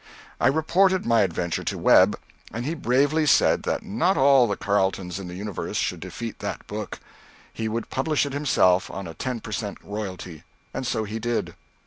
I reported my adventure to Webb, and he bravely said that not all the Carletons in the universe should defeat that book; he would publish it himself on a ten per cent. royalty. And so he did.